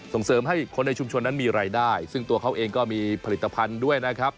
ส่งเสริมให้คนในชุมชนนั้นมีรายได้ซึ่งตัวเขาเองก็มีผลิตภัณฑ์ด้วยนะครับ